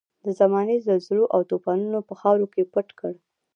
د زمانې زلزلو او توپانونو په خاورو کې پټ کړ.